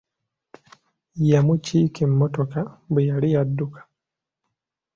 Yamukiika emmotoka bwe yali adduka.